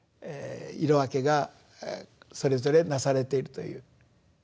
色分けがそれぞれなされているという。